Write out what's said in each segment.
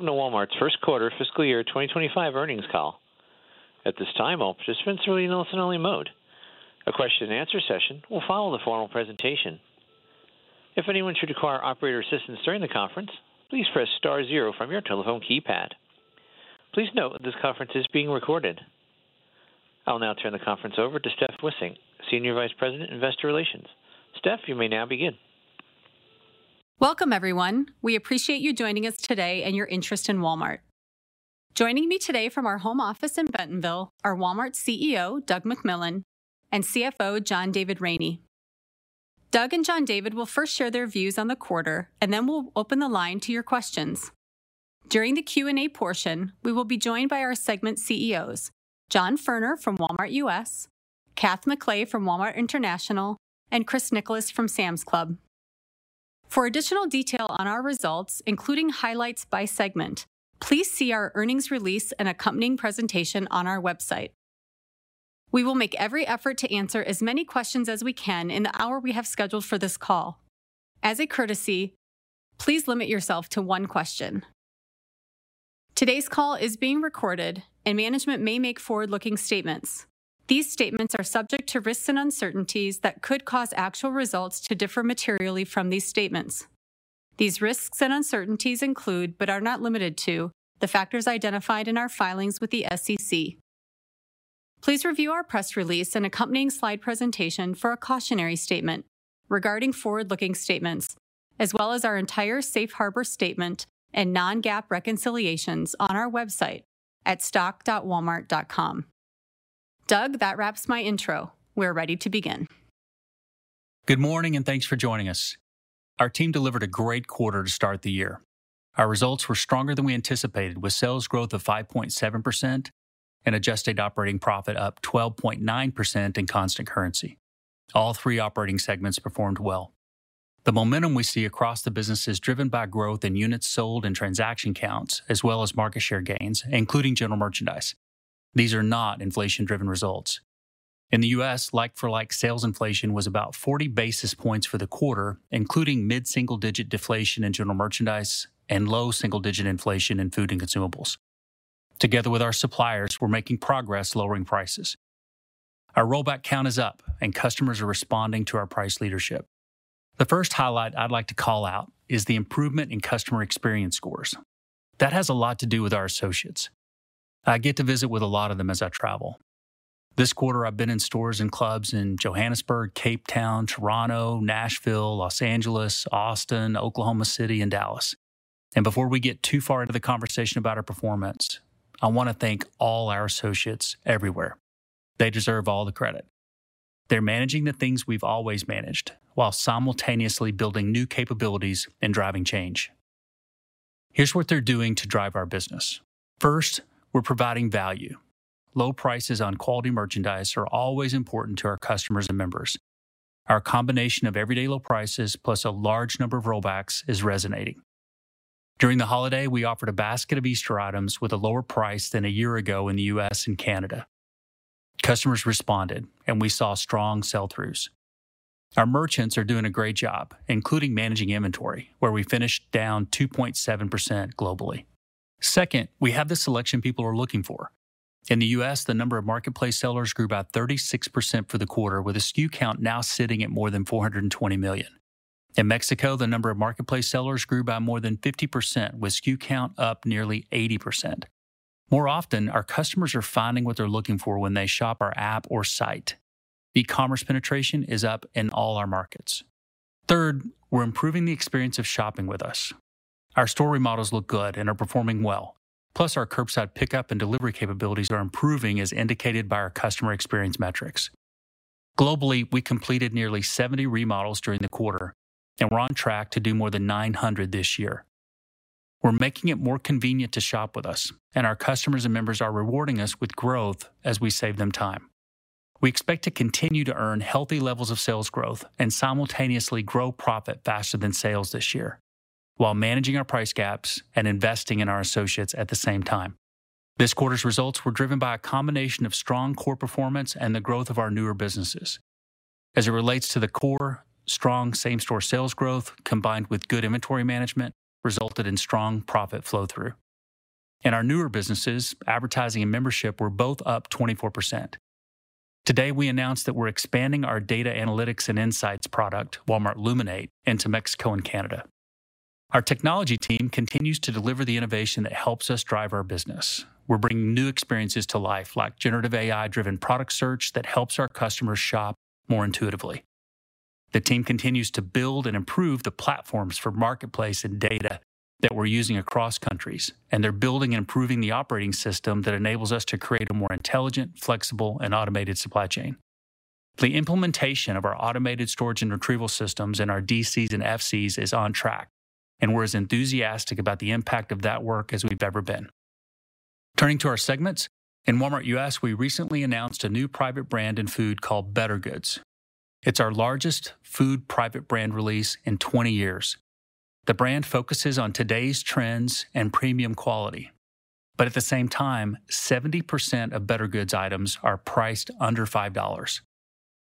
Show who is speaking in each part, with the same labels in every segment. Speaker 1: Welcome to Walmart's first quarter fiscal year 2025 earnings call. At this time, all participants are in listen-only mode. A question-and-answer session will follow the formal presentation. If anyone should require operator assistance during the conference, please press star zero from your telephone keypad. Please note, this conference is being recorded. I'll now turn the conference over to Steph Wissink, Senior Vice President, Investor Relations. Steph, you may now begin.
Speaker 2: Welcome, everyone. We appreciate you joining us today and your interest in Walmart. Joining me today from our home office in Bentonville are Walmart's CEO, Doug McMillon, and CFO, John David Rainey. Doug and John David will first share their views on the quarter, and then we'll open the line to your questions. During the Q&A portion, we will be joined by our segment CEOs, John Furner from Walmart U.S., Kath McLay from Walmart International, and Chris Nicholas from Sam's Club. For additional detail on our results, including highlights by segment, please see our earnings release and accompanying presentation on our website. We will make every effort to answer as many questions as we can in the hour we have scheduled for this call. As a courtesy, please limit yourself to one question. Today's call is being recorded, and management may make forward-looking statements. These statements are subject to risks and uncertainties that could cause actual results to differ materially from these statements. These risks and uncertainties include, but are not limited to, the factors identified in our filings with the SEC. Please review our press release and accompanying slide presentation for a cautionary statement regarding forward-looking statements, as well as our entire safe harbor statement and non-GAAP reconciliations on our website at stock.walmart.com. Doug, that wraps my intro. We're ready to begin.
Speaker 3: Good morning, and thanks for joining us. Our team delivered a great quarter to start the year. Our results were stronger than we anticipated, with sales growth of 5.7% and adjusted operating profit up 12.9% in constant currency. All three operating segments performed well. The momentum we see across the business is driven by growth in units sold and transaction counts, as well as market share gains, including general merchandise. These are not inflation-driven results. In the U.S., like-for-like sales inflation was about 40 basis points for the quarter, including mid-single-digit deflation in general merchandise and low single-digit inflation in food and consumables. Together with our suppliers, we're making progress lowering prices. Our rollback count is up, and customers are responding to our price leadership. The first highlight I'd like to call out is the improvement in customer experience scores. That has a lot to do with our associates. I get to visit with a lot of them as I travel. This quarter, I've been in stores and clubs in Johannesburg, Cape Town, Toronto, Nashville, Los Angeles, Austin, Oklahoma City, and Dallas. Before we get too far into the conversation about our performance, I want to thank all our associates everywhere. They deserve all the credit. They're managing the things we've always managed while simultaneously building new capabilities and driving change. Here's what they're doing to drive our business. First, we're providing value. Low prices on quality merchandise are always important to our customers and members. Our combination of everyday low prices plus a large number of rollbacks is resonating. During the holiday, we offered a basket of Easter items with a lower price than a year ago in the US and Canada. Customers responded, and we saw strong sell-throughs. Our merchants are doing a great job, including managing inventory, where we finished down 2.7% globally. Second, we have the selection people are looking for. In the U.S., the number of marketplace sellers grew by 36% for the quarter, with a SKU count now sitting at more than 420 million. In Mexico, the number of marketplace sellers grew by more than 50%, with SKU count up nearly 80%. More often, our customers are finding what they're looking for when they shop our app or site. E-commerce penetration is up in all our markets. Third, we're improving the experience of shopping with us. Our store remodels look good and are performing well. Plus, our curbside pickup and delivery capabilities are improving, as indicated by our customer experience metrics. Globally, we completed nearly 70 remodels during the quarter, and we're on track to do more than 900 this year. We're making it more convenient to shop with us, and our customers and members are rewarding us with growth as we save them time. We expect to continue to earn healthy levels of sales growth and simultaneously grow profit faster than sales this year, while managing our price gaps and investing in our associates at the same time. This quarter's results were driven by a combination of strong core performance and the growth of our newer businesses. As it relates to the core, strong same-store sales growth, combined with good inventory management, resulted in strong profit flow-through. In our newer businesses, advertising and membership were both up 24%. Today, we announced that we're expanding our data analytics and insights product, Walmart Luminate, into Mexico and Canada. Our technology team continues to deliver the innovation that helps us drive our business. We're bringing new experiences to life, like generative AI-driven product search that helps our customers shop more intuitively. The team continues to build and improve the platforms for marketplace and data that we're using across countries, and they're building and improving the operating system that enables us to create a more intelligent, flexible, and automated supply chain. The implementation of our automated storage and retrieval systems in our DCs and FCs is on track, and we're as enthusiastic about the impact of that work as we've ever been. Turning to our segments, in Walmart U.S., we recently announced a new private brand in food called Bettergoods. It's our largest food private brand release in 20 years. The brand focuses on today's trends and premium quality, but at the same time, 70% of Bettergoods items are priced under $5.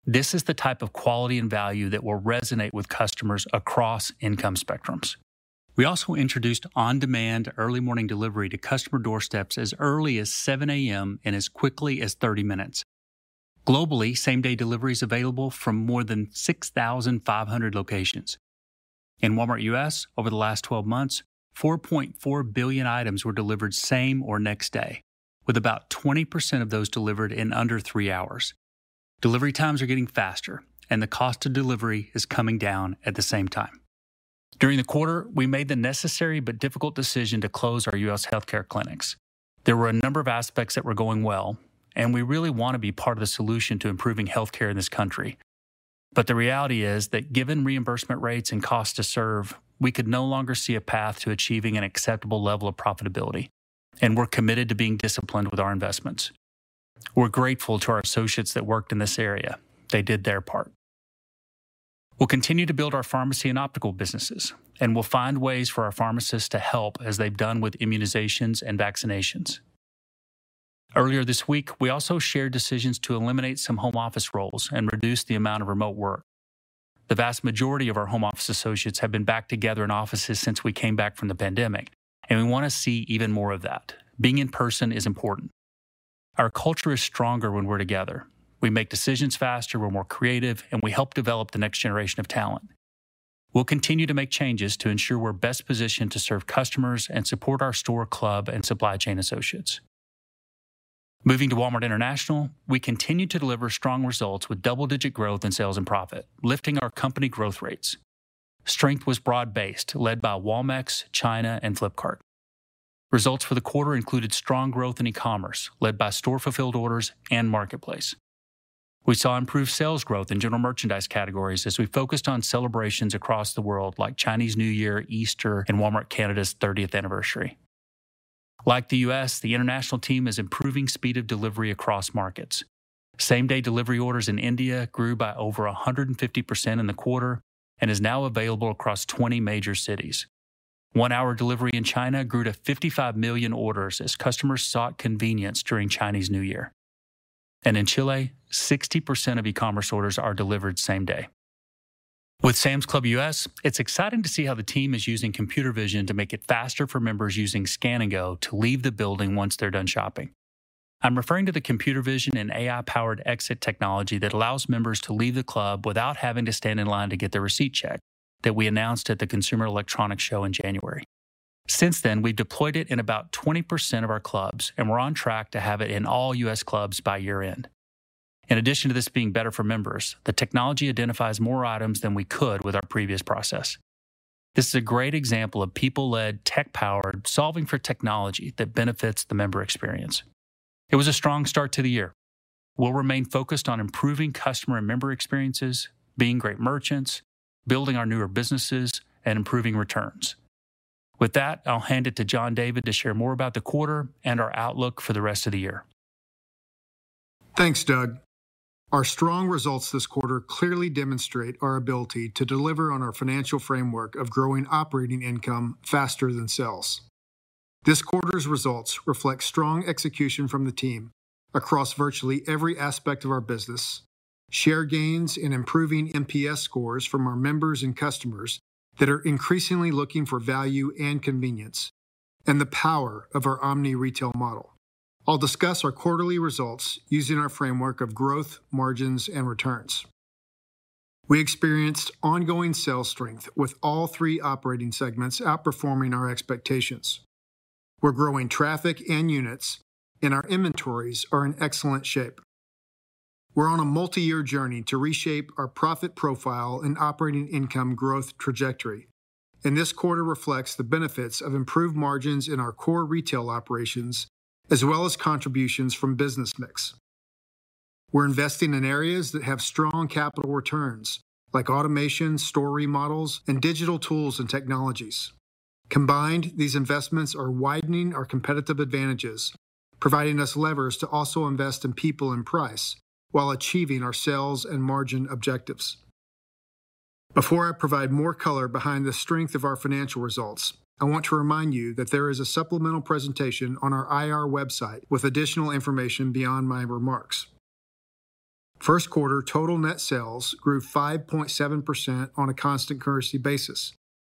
Speaker 3: This is the type of quality and value that will resonate with customers across income spectrums. We also introduced on-demand early morning delivery to customer doorsteps as early as 7 A.M. and as quickly as 30 minutes. Globally, same-day delivery is available from more than 6,500 locations. In Walmart U.S., over the last 12 months, 4.4 billion items were delivered same or next day, with about 20% of those delivered in under 3 hours. Delivery times are getting faster, and the cost of delivery is coming down at the same time. During the quarter, we made the necessary but difficult decision to close our U.S. healthcare clinics. There were a number of aspects that were going well, and we really want to be part of the solution to improving healthcare in this country. But the reality is that given reimbursement rates and cost to serve, we could no longer see a path to achieving an acceptable level of profitability, and we're committed to being disciplined with our investments. We're grateful to our associates that worked in this area. They did their part. We'll continue to build our pharmacy and optical businesses, and we'll find ways for our pharmacists to help as they've done with immunizations and vaccinations. Earlier this week, we also shared decisions to eliminate some home office roles and reduce the amount of remote work. The vast majority of our home office associates have been back together in offices since we came back from the pandemic, and we want to see even more of that. Being in person is important. Our culture is stronger when we're together. We make decisions faster, we're more creative, and we help develop the next generation of talent. We'll continue to make changes to ensure we're best positioned to serve customers and support our store, club, and supply chain associates. Moving to Walmart International, we continued to deliver strong results with double-digit growth in sales and profit, lifting our company growth rates. Strength was broad-based, led by Walmex, China, and Flipkart. Results for the quarter included strong growth in commerce, led by store-fulfilled orders and marketplace. We saw improved sales growth in general merchandise categories as we focused on celebrations across the world, like Chinese New Year, Easter, and Walmart Canada's thirtieth anniversary. Like the U.S., the international team is improving speed of delivery across markets. Same-day delivery orders in India grew by over 150% in the quarter and is now available across 20 major cities. One-hour delivery in China grew to 55 million orders as customers sought convenience during Chinese New Year. In Chile, 60% of e-commerce orders are delivered same day. With Sam's Club U.S., it's exciting to see how the team is using computer vision to make it faster for members using Scan and Go to leave the building once they're done shopping. I'm referring to the computer vision and AI-powered exit technology that allows members to leave the club without having to stand in line to get their receipt checked, that we announced at the Consumer Electronics Show in January. Since then, we've deployed it in about 20% of our clubs, and we're on track to have it in all U.S. clubs by year-end. In addition to this being better for members, the technology identifies more items than we could with our previous process. This is a great example of people-led, tech-powered, solving for technology that benefits the member experience. It was a strong start to the year. We'll remain focused on improving customer and member experiences, being great merchants, building our newer businesses, and improving returns. With that, I'll hand it to John David to share more about the quarter and our outlook for the rest of the year.
Speaker 4: Thanks, Doug. Our strong results this quarter clearly demonstrate our ability to deliver on our financial framework of growing operating income faster than sales. This quarter's results reflect strong execution from the team across virtually every aspect of our business, share gains in improving NPS scores from our members and customers that are increasingly looking for value and convenience, and the power of our omni-retail model. I'll discuss our quarterly results using our framework of growth, margins, and returns. We experienced ongoing sales strength, with all three operating segments outperforming our expectations. We're growing traffic and units, and our inventories are in excellent shape. We're on a multi-year journey to reshape our profit profile and operating income growth trajectory, and this quarter reflects the benefits of improved margins in our core retail operations, as well as contributions from business mix. We're investing in areas that have strong capital returns, like automation, store remodels, and digital tools and technologies. Combined, these investments are widening our competitive advantages, providing us levers to also invest in people and price while achieving our sales and margin objectives. Before I provide more color behind the strength of our financial results, I want to remind you that there is a supplemental presentation on our IR website with additional information beyond my remarks. First quarter, total net sales grew 5.7% on a constant currency basis,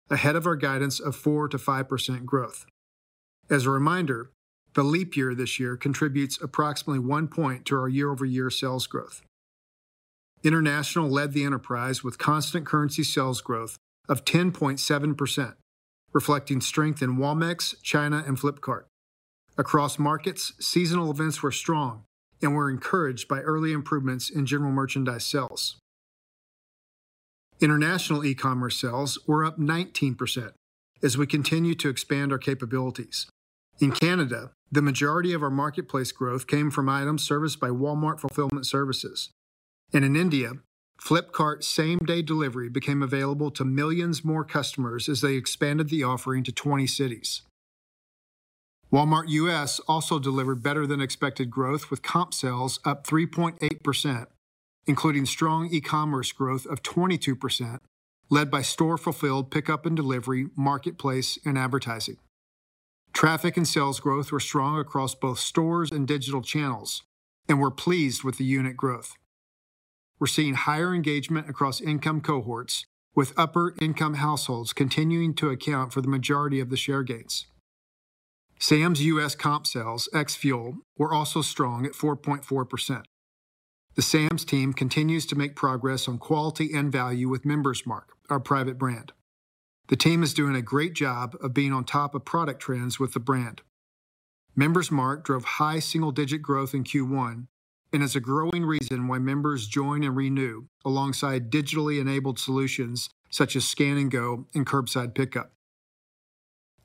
Speaker 4: ahead of our guidance of 4%-5% growth. As a reminder, the leap year this year contributes approximately 1% to our year-over-year sales growth. International led the enterprise with constant currency sales growth of 10.7%, reflecting strength in Walmex, China, and Flipkart. Across markets, seasonal events were strong and were encouraged by early improvements in general merchandise sales. International e-commerce sales were up 19% as we continued to expand our capabilities. In Canada, the majority of our marketplace growth came from items serviced by Walmart Fulfillment Services. And in India, Flipkart's same-day delivery became available to millions more customers as they expanded the offering to 20 cities. Walmart U.S. also delivered better-than-expected growth, with comp sales up 3.8%, including strong e-commerce growth of 22%, led by store-fulfilled pickup and delivery, marketplace, and advertising.... Traffic and sales growth were strong across both stores and digital channels, and we're pleased with the unit growth. We're seeing higher engagement across income cohorts, with upper-income households continuing to account for the majority of the share gains. Sam's U.S. comp sales, ex-fuel, were also strong at 4.4%. The Sam's team continues to make progress on quality and value with Member's Mark, our private brand. The team is doing a great job of being on top of product trends with the brand. Member's Mark drove high single-digit growth in Q1 and is a growing reason why members join and renew, alongside digitally-enabled solutions such as Scan and Go and Curbside Pickup.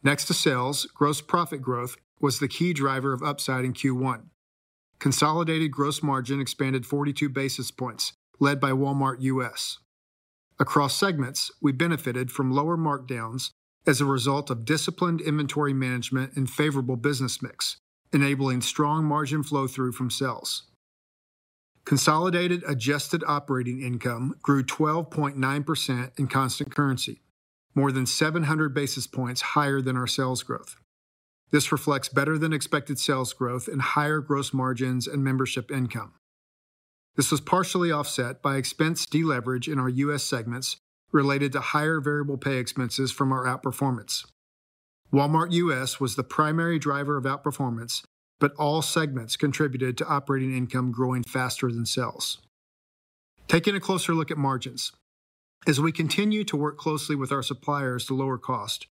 Speaker 4: Next to sales, gross profit growth was the key driver of upside in Q1. Consolidated gross margin expanded 42 basis points, led by Walmart U.S. Across segments, we benefited from lower markdowns as a result of disciplined inventory management and favorable business mix, enabling strong margin flow-through from sales. Consolidated adjusted operating income grew 12.9% in constant currency, more than 700 basis points higher than our sales growth. This reflects better-than-expected sales growth and higher gross margins and membership income. This was partially offset by expense deleverage in our U.S. segments related to higher variable pay expenses from our outperformance. Walmart U.S. was the primary driver of outperformance, but all segments contributed to operating income growing faster than sales. Taking a closer look at margins. As we continue to work closely with our suppliers to lower cost,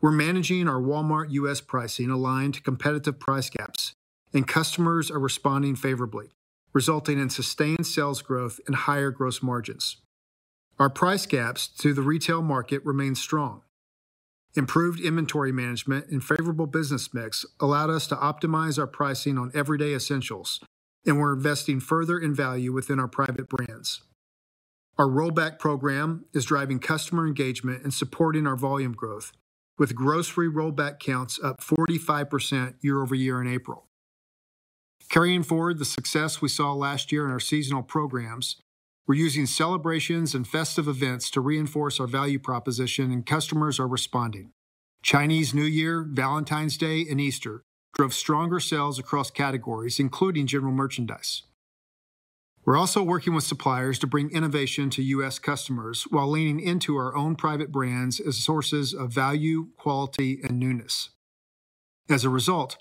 Speaker 4: we're managing our Walmart U.S. pricing aligned to competitive price gaps, and customers are responding favorably, resulting in sustained sales growth and higher gross margins. Our price gaps through the retail market remain strong. Improved inventory management and favorable business mix allowed us to optimize our pricing on everyday essentials, and we're investing further in value within our private brands. Our Rollback program is driving customer engagement and supporting our volume growth, with grocery Rollback counts up 45% year-over-year in April. Carrying forward the success we saw last year in our seasonal programs, we're using celebrations and festive events to reinforce our value proposition, and customers are responding. Chinese New Year, Valentine's Day, and Easter drove stronger sales across categories, including general merchandise. We're also working with suppliers to bring innovation to U.S. customers while leaning into our own private brands as sources of value, quality, and newness. As a result,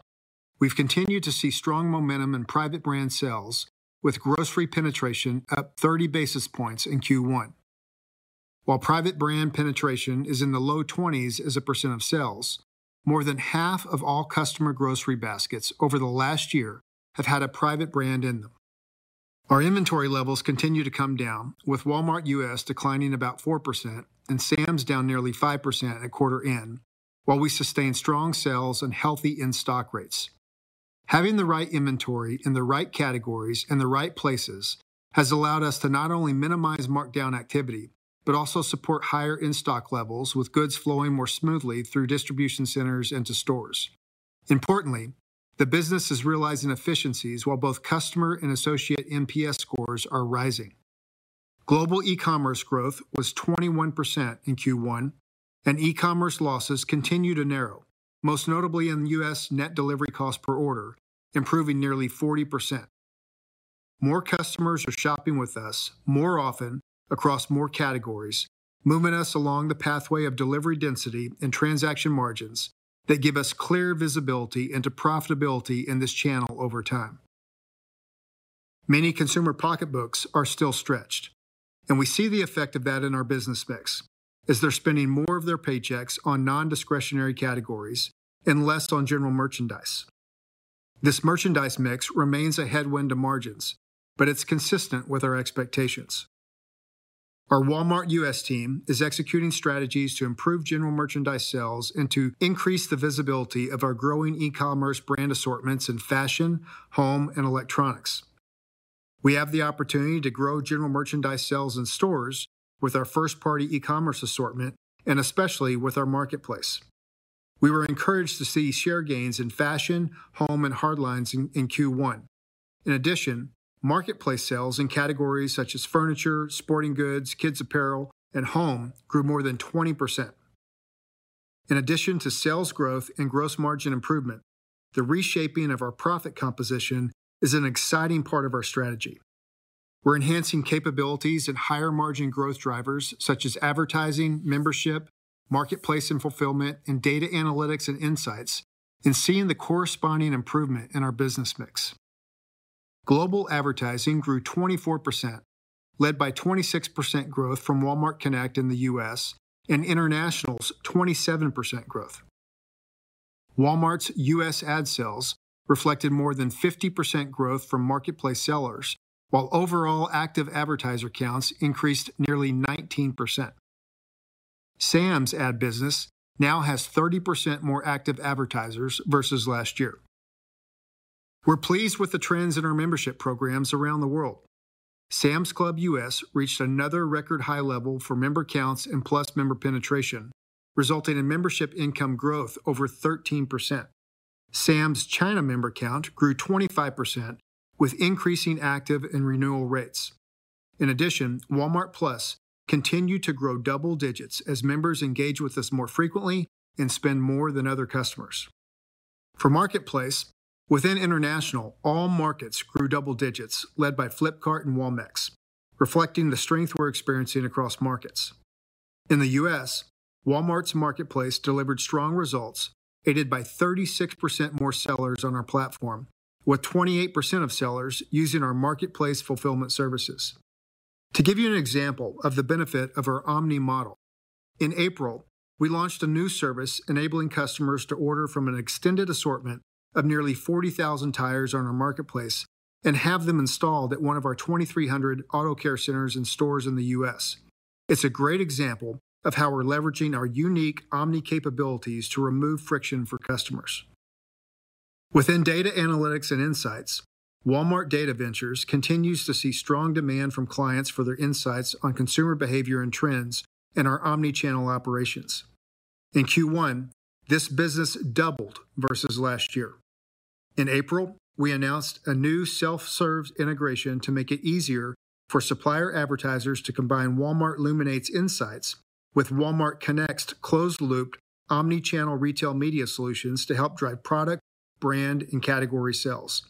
Speaker 4: we've continued to see strong momentum in private brand sales, with grocery penetration up 30 basis points in Q1. While private brand penetration is in the low twenties as a % of sales, more than half of all customer grocery baskets over the last year have had a private brand in them. Our inventory levels continue to come down, with Walmart U.S. declining about 4% and Sam's down nearly 5% at quarter end, while we sustain strong sales and healthy in-stock rates. Having the right inventory in the right categories and the right places has allowed us to not only minimize markdown activity, but also support higher in-stock levels, with goods flowing more smoothly through distribution centers into stores. Importantly, the business is realizing efficiencies while both customer and associate NPS scores are rising. Global e-commerce growth was 21% in Q1, and e-commerce losses continue to narrow, most notably in the U.S. net delivery cost per order, improving nearly 40%. More customers are shopping with us more often across more categories, moving us along the pathway of delivery density and transaction margins that give us clear visibility into profitability in this channel over time. Many consumer pocketbooks are still stretched, and we see the effect of that in our business mix, as they're spending more of their paychecks on non-discretionary categories and less on general merchandise. This merchandise mix remains a headwind to margins, but it's consistent with our expectations. Our Walmart U.S. team is executing strategies to improve general merchandise sales and to increase the visibility of our growing e-commerce brand assortments in fashion, home, and electronics. We have the opportunity to grow general merchandise sales in stores with our first-party e-commerce assortment and especially with our marketplace. We were encouraged to see share gains in fashion, home, and hard lines in Q1. In addition, marketplace sales in categories such as furniture, sporting goods, kids apparel, and home grew more than 20%. In addition to sales growth and gross margin improvement, the reshaping of our profit composition is an exciting part of our strategy. We're enhancing capabilities and higher-margin growth drivers such as advertising, membership, marketplace and fulfillment, and data analytics and insights, and seeing the corresponding improvement in our business mix. Global advertising grew 24%, led by 26% growth from Walmart Connect in the U.S. and International's 27% growth. Walmart's U.S. ad sales reflected more than 50% growth from marketplace sellers, while overall active advertiser counts increased nearly 19%. Sam's ad business now has 30% more active advertisers versus last year. We're pleased with the trends in our membership programs around the world. Sam's Club U.S. reached another record high level for member counts and Plus member penetration, resulting in membership income growth over 13%....Sam's China member count grew 25%, with increasing active and renewal rates. In addition, Walmart Plus continued to grow double digits as members engage with us more frequently and spend more than other customers. For Marketplace, within international, all markets grew double digits, led by Flipkart and Walmex, reflecting the strength we're experiencing across markets. In the U.S., Walmart's Marketplace delivered strong results, aided by 36% more sellers on our platform, with 28% of sellers using our Marketplace fulfillment services. To give you an example of the benefit of our omni model, in April, we launched a new service enabling customers to order from an extended assortment of nearly 40,000 tires on our Marketplace and have them installed at one of our 2,300 auto care centers and stores in the U.S. It's a great example of how we're leveraging our unique omni capabilities to remove friction for customers. Within data analytics and insights, Walmart Data Ventures continues to see strong demand from clients for their insights on consumer behavior and trends in our omnichannel operations. In Q1, this business doubled versus last year. In April, we announced a new self-serve integration to make it easier for supplier advertisers to combine Walmart Luminate's insights with Walmart Connect's closed-loop, omnichannel retail media solutions to help drive product, brand, and category sales.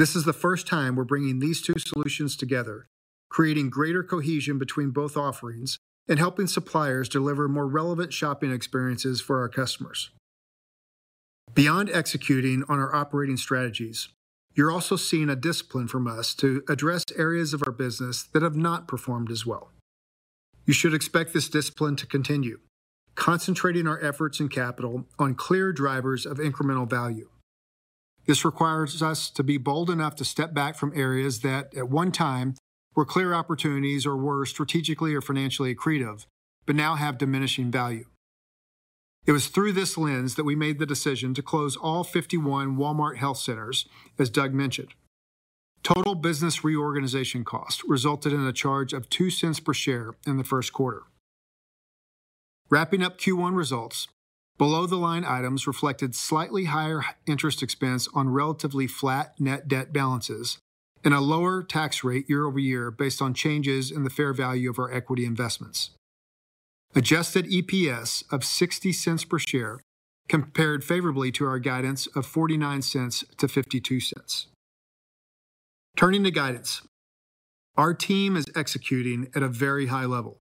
Speaker 4: This is the first time we're bringing these two solutions together, creating greater cohesion between both offerings and helping suppliers deliver more relevant shopping experiences for our customers. Beyond executing on our operating strategies, you're also seeing a discipline from us to address areas of our business that have not performed as well. You should expect this discipline to continue, concentrating our efforts and capital on clear drivers of incremental value. This requires us to be bold enough to step back from areas that, at one time, were clear opportunities or were strategically or financially accretive, but now have diminishing value. It was through this lens that we made the decision to close all 51 Walmart Health centers, as Doug mentioned. Total business reorganization costs resulted in a charge of $0.02 per share in the first quarter. Wrapping up Q1 results, below-the-line items reflected slightly higher interest expense on relatively flat net debt balances and a lower tax rate year-over-year based on changes in the fair value of our equity investments. Adjusted EPS of $0.60 per share compared favorably to our guidance of $0.49-$0.52. Turning to guidance. Our team is executing at a very high level.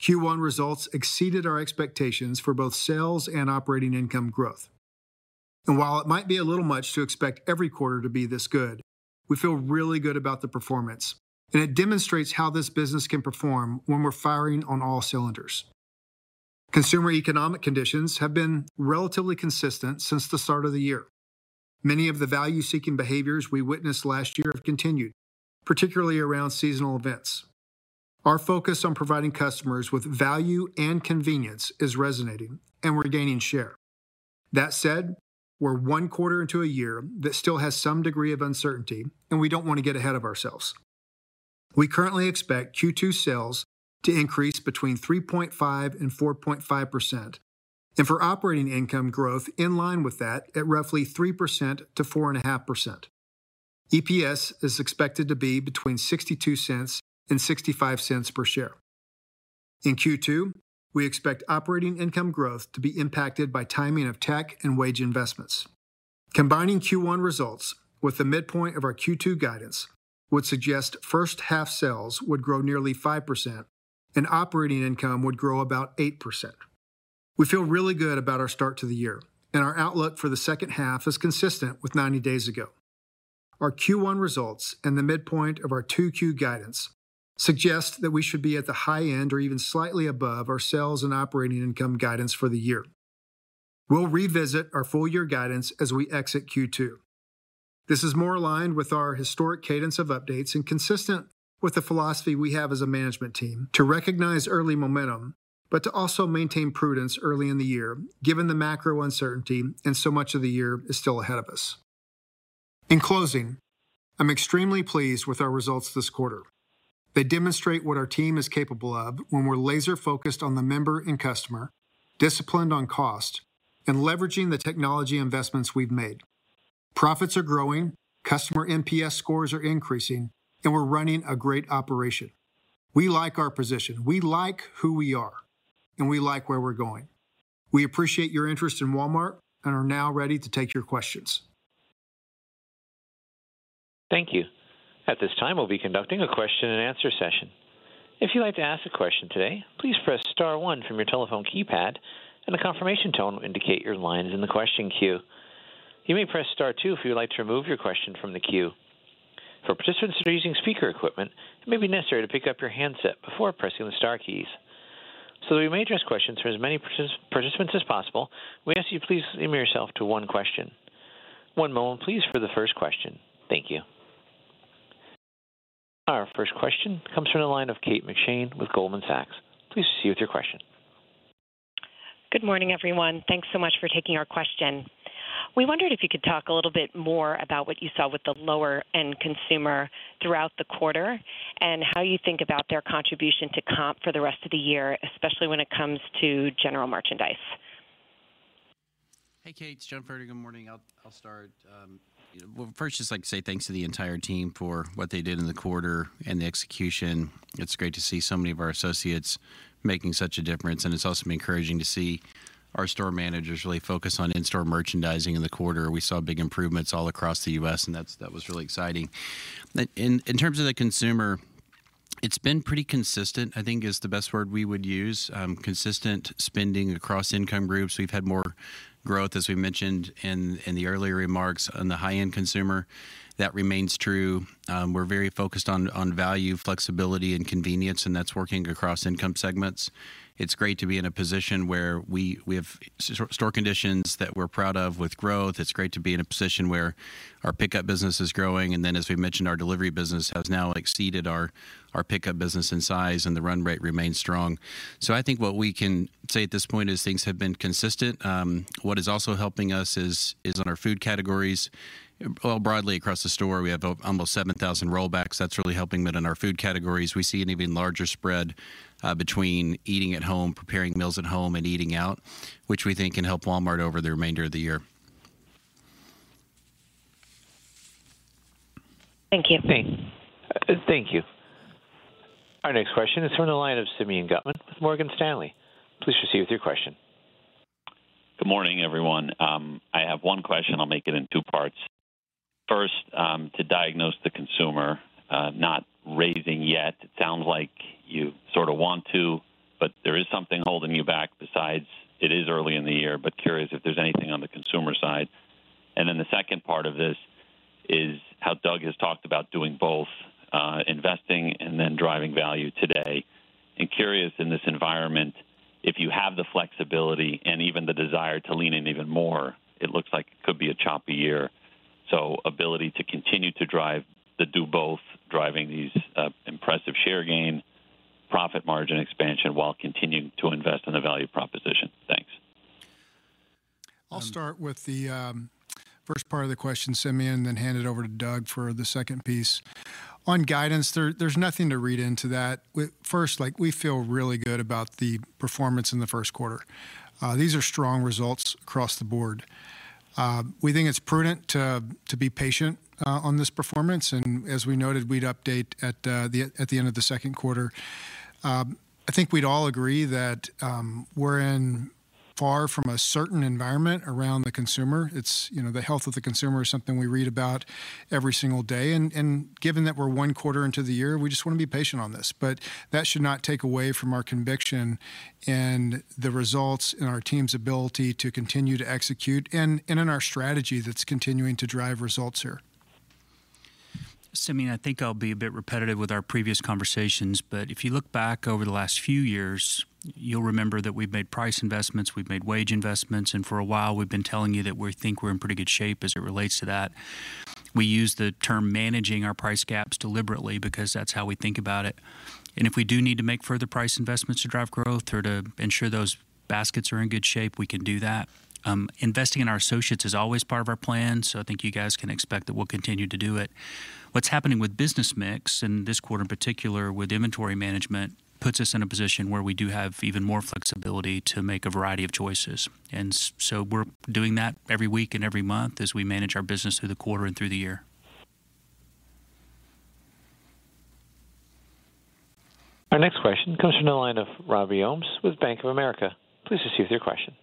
Speaker 4: Q1 results exceeded our expectations for both sales and operating income growth. And while it might be a little much to expect every quarter to be this good, we feel really good about the performance, and it demonstrates how this business can perform when we're firing on all cylinders. Consumer economic conditions have been relatively consistent since the start of the year. Many of the value-seeking behaviors we witnessed last year have continued, particularly around seasonal events. Our focus on providing customers with value and convenience is resonating, and we're gaining share. That said, we're one quarter into a year that still has some degree of uncertainty, and we don't want to get ahead of ourselves. We currently expect Q2 sales to increase between 3.5% and 4.5%, and for operating income growth in line with that at roughly 3%-4.5%. EPS is expected to be between $0.62 and $0.65 per share. In Q2, we expect operating income growth to be impacted by timing of tech and wage investments. Combining Q1 results with the midpoint of our Q2 guidance would suggest first half sales would grow nearly 5% and operating income would grow about 8%. We feel really good about our start to the year, and our outlook for the second half is consistent with 90 days ago. Our Q1 results and the midpoint of our Q2 guidance suggest that we should be at the high end or even slightly above our sales and operating income guidance for the year. We'll revisit our full year guidance as we exit Q2. This is more aligned with our historic cadence of updates and consistent with the philosophy we have as a management team to recognize early momentum, but to also maintain prudence early in the year, given the macro uncertainty and so much of the year is still ahead of us. In closing, I'm extremely pleased with our results this quarter. They demonstrate what our team is capable of when we're laser-focused on the member and customer, disciplined on cost, and leveraging the technology investments we've made. Profits are growing, customer NPS scores are increasing, and we're running a great operation. We like our position. We like who we are, and we like where we're going. We appreciate your interest in Walmart and are now ready to take your questions.
Speaker 1: Thank you. At this time, we'll be conducting a question-and-answer session. If you'd like to ask a question today, please press star one from your telephone keypad, and a confirmation tone will indicate your line is in the question queue. You may press star two if you would like to remove your question from the queue. For participants that are using speaker equipment, it may be necessary to pick up your handset before pressing the star keys. So that we may address questions from as many participants as possible, we ask you to please limit yourself to one question. One moment, please, for the first question. Thank you. Our first question comes from the line of Kate McShane with Goldman Sachs. Please proceed with your question.
Speaker 5: Good morning, everyone. Thanks so much for taking our question. We wondered if you could talk a little bit more about what you saw with the lower-end consumer throughout the quarter and how you think about their contribution to comp for the rest of the year, especially when it comes to general merchandise?...
Speaker 6: Hey, Kate, John Furner good morning. I'll start, well, first, just like to say thanks to the entire team for what they did in the quarter and the execution. It's great to see so many of our associates making such a difference, and it's also encouraging to see our store managers really focus on in-store merchandising in the quarter. We saw big improvements all across the U.S., and that's, that was really exciting. But in terms of the consumer, it's been pretty consistent, I think, is the best word we would use. Consistent spending across income groups. We've had more growth, as we mentioned in the earlier remarks, on the high-end consumer. That remains true. We're very focused on value, flexibility, and convenience, and that's working across income segments. It's great to be in a position where we have store conditions that we're proud of with growth. It's great to be in a position where our pickup business is growing. And then, as we mentioned, our delivery business has now exceeded our pickup business in size, and the run rate remains strong. So I think what we can say at this point is things have been consistent. What is also helping us is on our food categories. Well, broadly across the store, we have almost 7,000 rollbacks. That's really helping. But in our food categories, we see an even larger spread between eating at home, preparing meals at home, and eating out, which we think can help Walmart over the remainder of the year.
Speaker 3: Thank you.
Speaker 1: Thank you. Our next question is from the line of Simeon Gutman with Morgan Stanley. Please proceed with your question.
Speaker 7: Good morning, everyone. I have one question. I'll make it in two parts. First, to diagnose the consumer not raising yet, it sounds like you sorta want to, but there is something holding you back besides it is early in the year, but curious if there's anything on the consumer side. And then the second part of this is how Doug has talked about doing both, investing and then driving value today. I'm curious, in this environment, if you have the flexibility and even the desire to lean in even more, it looks like it could be a choppy year, so ability to continue to drive, to do both, driving these impressive share gain, profit margin expansion, while continuing to invest in a value proposition. Thanks.
Speaker 4: I'll start with the first part of the question, Simeon, then hand it over to Doug for the second piece. On guidance, there's nothing to read into that. First, like, we feel really good about the performance in the first quarter. These are strong results across the board. We think it's prudent to be patient on this performance, and as we noted, we'd update at the end of the second quarter. I think we'd all agree that we're far from a certain environment around the consumer. It's, you know, the health of the consumer is something we read about every single day, and given that we're one quarter into the year, we just want to be patient on this. But that should not take away from our conviction and the results and our team's ability to continue to execute, and, and in our strategy that's continuing to drive results here.
Speaker 3: Simeon, I think I'll be a bit repetitive with our previous conversations, but if you look back over the last few years, you'll remember that we've made price investments, we've made wage investments, and for a while, we've been telling you that we think we're in pretty good shape as it relates to that. We use the term managing our price gaps deliberately because that's how we think about it. And if we do need to make further price investments to drive growth or to ensure those baskets are in good shape, we can do that. Investing in our associates is always part of our plan, so I think you guys can expect that we'll continue to do it. What's happening with business mix, and this quarter in particular, with inventory management, puts us in a position where we do have even more flexibility to make a variety of choices. So we're doing that every week and every month as we manage our business through the quarter and through the year.
Speaker 1: Our next question comes from the line of Robbie Ohmes with Bank of America. Please proceed with your question.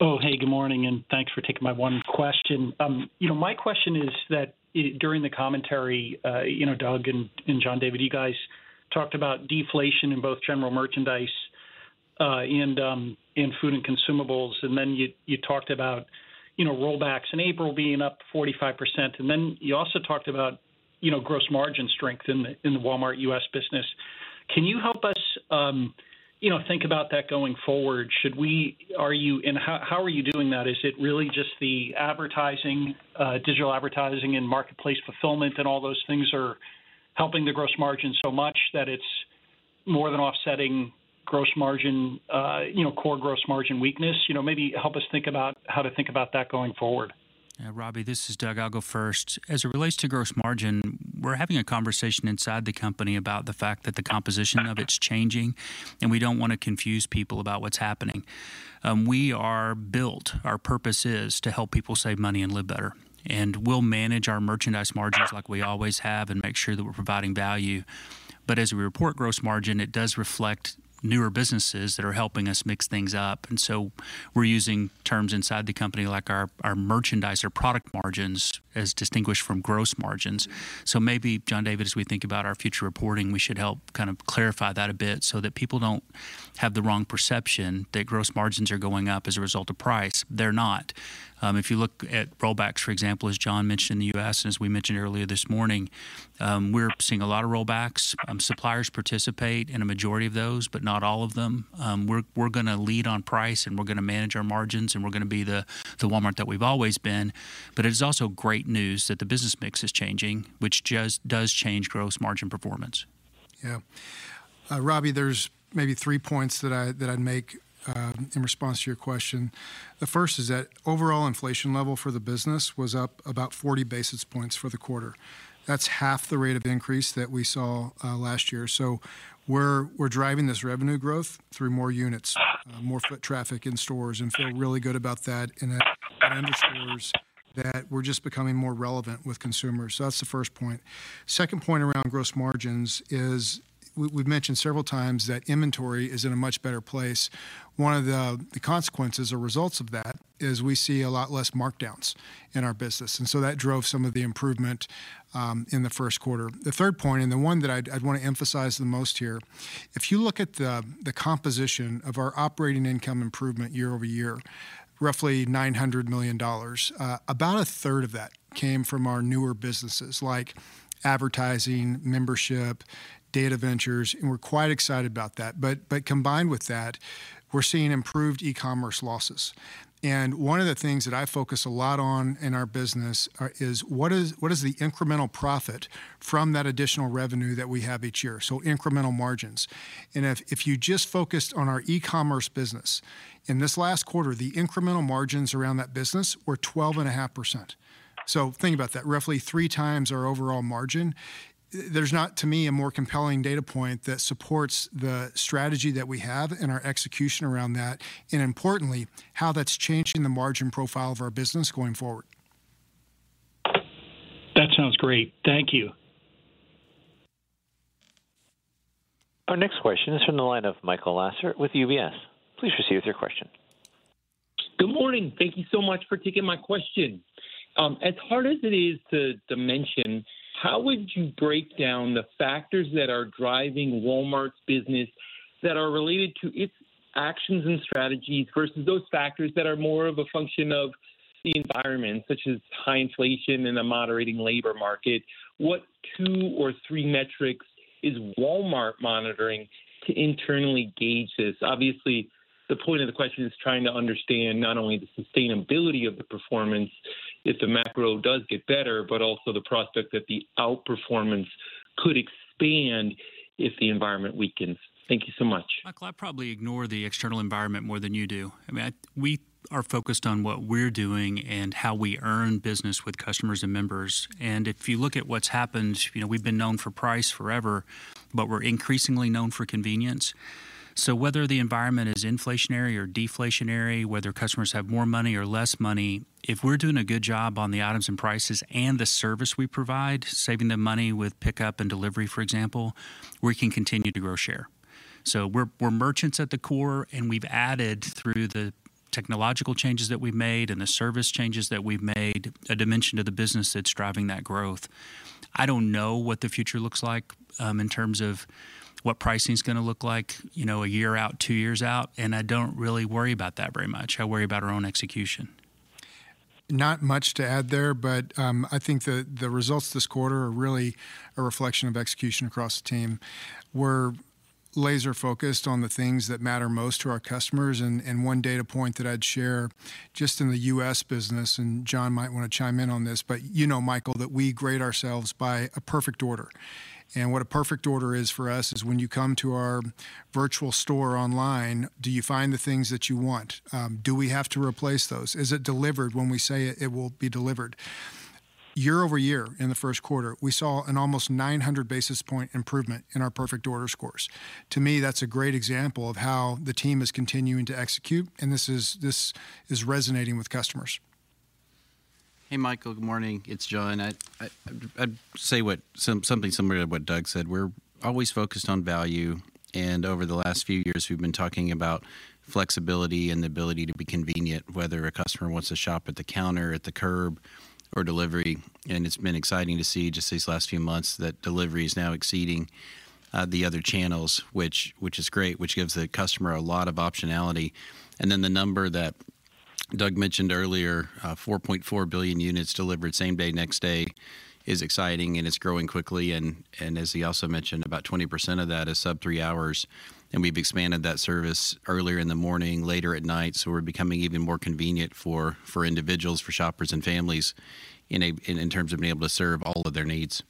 Speaker 6: Oh, hey, good morning, and thanks for taking my one question. You know, my question is that during the commentary, you know, Doug and John David, you guys talked about deflation in both general merchandise and in food and consumables, and then you talked about, you know, Rollbacks in April being up 45%. And then you also talked about, you know, gross margin strength in the Walmart U.S. business. Can you help us, you know, think about that going forward? Should we... Are you, and how are you doing that? Is it really just the advertising, digital advertising and marketplace fulfillment, and all those things are helping the gross margin so much that it's more than offsetting gross margin, you know, core gross margin weakness? You know, maybe help us think about how to think about that going forward.
Speaker 3: Yeah, Robbie, this is Doug. I'll go first. As it relates to gross margin, we're having a conversation inside the company about the fact that the composition of it's changing, and we don't want to confuse people about what's happening. We are built, our purpose is to help people save money and live better, and we'll manage our merchandise margins like we always have and make sure that we're providing value. But as we report gross margin, it does reflect newer businesses that are helping us mix things up, and so we're using terms inside the company like our, our merchandise product margins, as distinguished from gross margins. So maybe John David, as we think about our future reporting, we should help kind of clarify that a bit so that people don't have the wrong perception that gross margins are going up as a result of price. They're not. If you look at Rollback, for example, as John mentioned in the U.S., and as we mentioned earlier this morning, we're seeing a lot of Rollback. Suppliers participate in a majority of those, but not all of them. We're gonna lead on price, and we're gonna manage our margins, and we're gonna be the Walmart that we've always been. But it's also great news that the business mix is changing, which just does change gross margin performance....
Speaker 4: Yeah, Robbie, there's maybe three points that I'd make in response to your question. The first is that overall inflation level for the business was up about 40 basis points for the quarter. That's half the rate of increase that we saw last year. So we're driving this revenue growth through more units, more foot traffic in stores, and feel really good about that. And that in the stores, that we're just becoming more relevant with consumers. So that's the first point. Second point around gross margins is we've mentioned several times that inventory is in a much better place. One of the consequences or results of that is we see a lot less markdowns in our business, and so that drove some of the improvement in the first quarter. The third point, and the one that I'd want to emphasize the most here, if you look at the composition of our operating income improvement year-over-year, roughly $900 million, about a third of that came from our newer businesses, like advertising, membership, data ventures, and we're quite excited about that. But combined with that, we're seeing improved e-commerce losses. And one of the things that I focus a lot on in our business is what is the incremental profit from that additional revenue that we have each year? So incremental margins. And if you just focused on our e-commerce business, in this last quarter, the incremental margins around that business were 12.5%. So think about that, roughly three times our overall margin. There's not, to me, a more compelling data point that supports the strategy that we have and our execution around that, and importantly, how that's changing the margin profile of our business going forward.
Speaker 6: That sounds great. Thank you.
Speaker 1: Our next question is from the line of Michael Lasser with UBS. Please proceed with your question.
Speaker 8: Good morning. Thank you so much for taking my question. As hard as it is to mention, how would you break down the factors that are driving Walmart's business that are related to its actions and strategies versus those factors that are more of a function of the environment, such as high inflation and a moderating labor market? What two or three metrics is Walmart monitoring to internally gauge this? Obviously, the point of the question is trying to understand not only the sustainability of the performance, if the macro does get better, but also the prospect that the outperformance could expand if the environment weakens. Thank you so much.
Speaker 3: Michael, I probably ignore the external environment more than you do. I mean, we are focused on what we're doing and how we earn business with customers and members. If you look at what's happened, you know, we've been known for price forever, but we're increasingly known for convenience. So whether the environment is inflationary or deflationary, whether customers have more money or less money, if we're doing a good job on the items and prices and the service we provide, saving them money with pickup and delivery, for example, we can continue to grow share. So we're merchants at the core, and we've added, through the technological changes that we've made and the service changes that we've made, a dimension to the business that's driving that growth. I don't know what the future looks like, in terms of what pricing is gonna look like, you know, a year out, two years out, and I don't really worry about that very much. I worry about our own execution. Not much to add there, but I think the results this quarter are really a reflection of execution across the team. We're laser focused on the things that matter most to our customers, and one data point that I'd share just in the U.S. business, and John might want to chime in on this, but you know, Michael, that we grade ourselves by a perfect order. And what a perfect order is for us is when you come to our virtual store online, do you find the things that you want? Do we have to replace those? Is it delivered when we say it will be delivered? Year-over-year, in the first quarter, we saw an almost 900 basis point improvement in our perfect order scores. To me, that's a great example of how the team is continuing to execute, and this is, this is resonating with customers.
Speaker 6: Hey, Michael, good morning. It's John. I'd say something similar to what Doug said. We're always focused on value, and over the last few years, we've been talking about flexibility and the ability to be convenient, whether a customer wants to shop at the counter, at the curb, or delivery. And it's been exciting to see, just these last few months, that delivery is now exceeding the other channels, which is great, which gives the customer a lot of optionality. And then the number that Doug mentioned earlier, 4.4 billion units delivered same day, next day, is exciting, and it's growing quickly. And as he also mentioned, about 20% of that is sub 3 hours, and we've expanded that service earlier in the morning, later at night. So we're becoming even more convenient for individuals, for shoppers and families in terms of being able to serve all of their needs.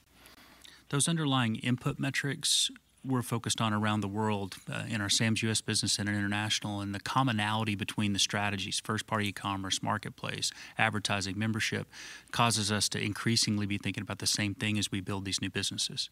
Speaker 3: Those underlying input metrics we're focused on around the world, in our Sam's U.S. business, Walmart U.S., Walmart International, and the commonality between the strategies, first-party commerce, marketplace, advertising, membership, causes us to increasingly be thinking about the same thing as we build these new businesses.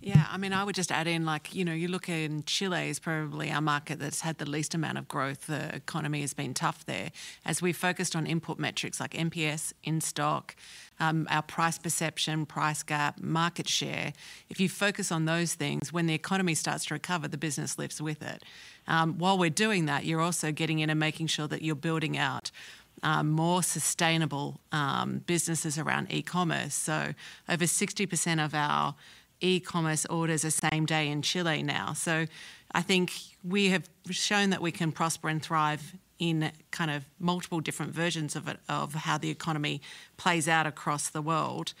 Speaker 9: Yeah, I mean, I would just add in, like, you know, you look in Chile is probably our market that's had the least amount of growth. The economy has been tough there. As we focused on input metrics like NPS, in-stock, our price perception, price gap, market share. If you focus on those things, when the economy starts to recover, the business lifts with it. While we're doing that, you're also getting in and making sure that you're building out, more sustainable, businesses around e-commerce. So over 60% of our e-commerce orders are same day in Chile now. So I think we have shown that we can prosper and thrive in kind of multiple different versions of it, of how the economy plays out across the world.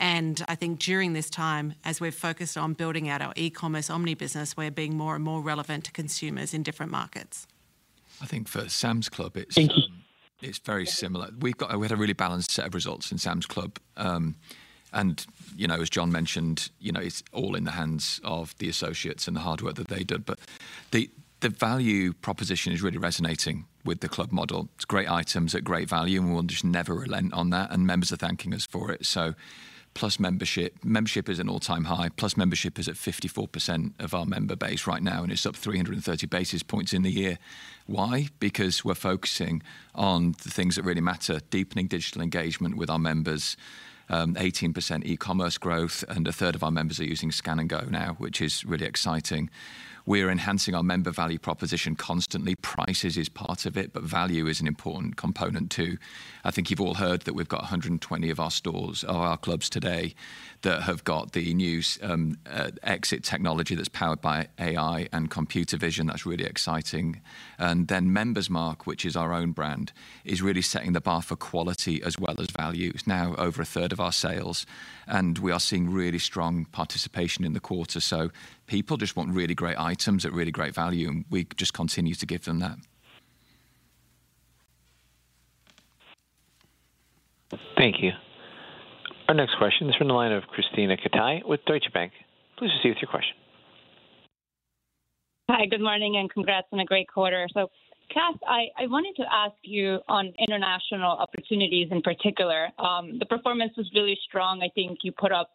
Speaker 9: I think during this time, as we've focused on building out our e-commerce omni business, we're being more and more relevant to consumers in different markets....
Speaker 10: I think for Sam's Club, it's very similar. We had a really balanced set of results in Sam's Club. You know, as John mentioned, you know, it's all in the hands of the associates and the hard work that they did. But the value proposition is really resonating with the club model. It's great items at great value, and we'll just never relent on that, and members are thanking us for it. So, Plus membership. Membership is an all-time high. Plus membership is at 54% of our member base right now, and it's up 330 basis points in the year. Why? Because we're focusing on the things that really matter, deepening digital engagement with our members, 18% e-commerce growth, and a third of our members are using Scan and Go now, which is really exciting. We are enhancing our member value proposition constantly. Prices is part of it, but value is an important component, too. I think you've all heard that we've got 120 of our stores or our clubs today that have got the new exit technology that's powered by AI and computer vision. That's really exciting. And then Member's Mark, which is our own brand, is really setting the bar for quality as well as value. It's now over a third of our sales, and we are seeing really strong participation in the quarter. So people just want really great items at really great value, and we just continue to give them that.
Speaker 1: Thank you. Our next question is from the line of Krisztina Katai with Deutsche Bank. Please proceed with your question.
Speaker 11: Hi, good morning, and congrats on a great quarter. So, Kath, I wanted to ask you on international opportunities in particular. The performance was really strong. I think you put up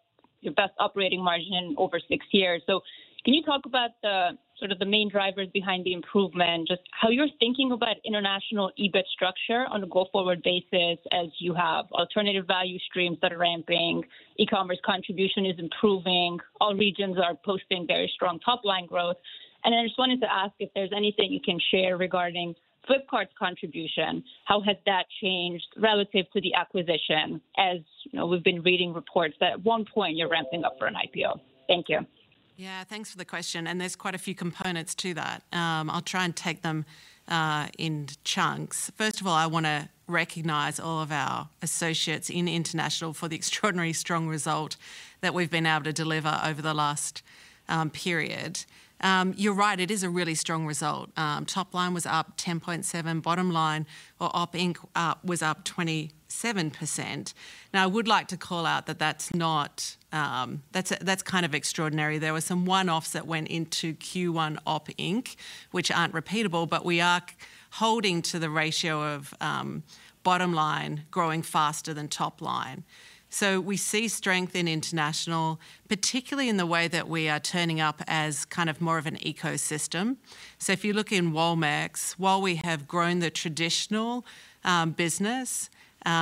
Speaker 11: your best operating margin in over six years. So can you talk about the, sort of the main drivers behind the improvement, just how you're thinking about international EBIT structure on a go-forward basis, as you have alternative value streams that are ramping, e-commerce contribution is improving, all regions are posting very strong top-line growth? And I just wanted to ask if there's anything you can share regarding Flipkart's contribution. How has that changed relative to the acquisition? As you know, we've been reading reports that at one point you're ramping up for an IPO. Thank you.
Speaker 9: Yeah, thanks for the question, and there's quite a few components to that. I'll try and take them in chunks. First of all, I wanna recognize all of our associates in international for the extraordinarily strong result that we've been able to deliver over the last period. You're right, it is a really strong result. Top line was up 10.7. Bottom line or op inc. was up 27%. Now, I would like to call out that that's not... That's, that's kind of extraordinary. There were some one-offs that went into Q1 op inc., which aren't repeatable, but we are holding to the ratio of bottom line growing faster than top line. So we see strength in international, particularly in the way that we are turning up as kind of more of an ecosystem. So if you look in Walmex, while we have grown the traditional business,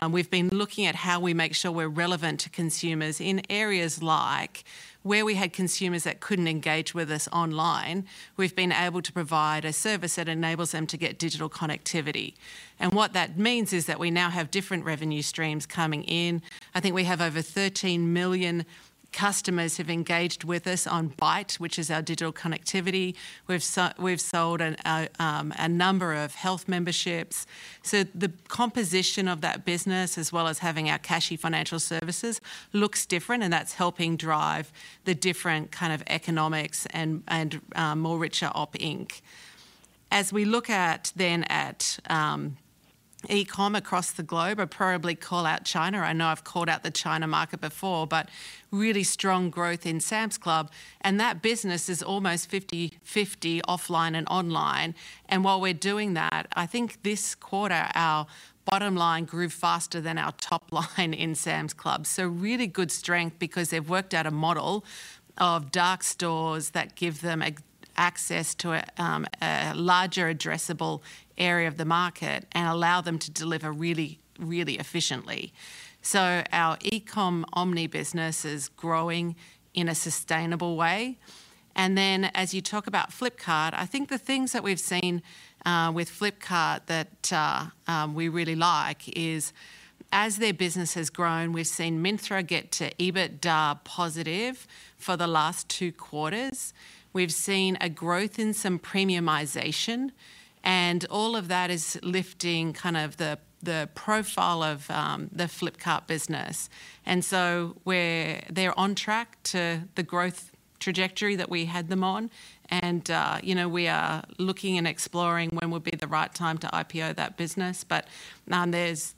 Speaker 9: we've been looking at how we make sure we're relevant to consumers in areas like where we had consumers that couldn't engage with us online, we've been able to provide a service that enables them to get digital connectivity. And what that means is that we now have different revenue streams coming in. I think we have over 13 million customers who've engaged with us on Bait, which is our digital connectivity. We've sold a number of health memberships. So the composition of that business, as well as having our Cashi financial services, looks different, and that's helping drive the different kind of economics and more richer operating income. As we look at, then at e-com across the globe, I'd probably call out China. I know I've called out the China market before, but really strong growth in Sam's Club, and that business is almost 50/50 offline and online. And while we're doing that, I think this quarter, our bottom line grew faster than our top line in Sam's Club. So really good strength because they've worked out a model of dark stores that give them access to a larger addressable area of the market and allow them to deliver really, really efficiently. So our e-com omni business is growing in a sustainable way. And then, as you talk about Flipkart, I think the things that we've seen with Flipkart that we really like is, as their business has grown, we've seen Myntra get to EBITDA positive for the last two quarters. We've seen a growth in some premiumization, and all of that is lifting kind of the profile of the Flipkart business. And so we're, they're on track to the growth trajectory that we had them on. And you know, we are looking and exploring when would be the right time to IPO that business. But there's